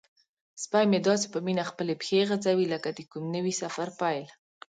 سپی مې داسې په مینه خپلې پښې غځوي لکه د کوم نوي سفر پیل.